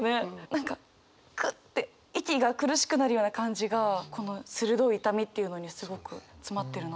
何かグッて息が苦しくなるような感じがこの「鋭い痛み」っていうのにすごく詰まってるなって思って。